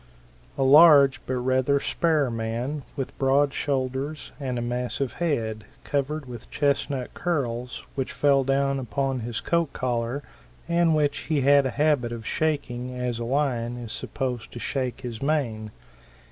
A large but rather spare man, with broad shoulders and a massive head, covered with chestnut curls which fell down upon his coat collar and which he had a habit of shaking as a lion is supposed to shake his mane.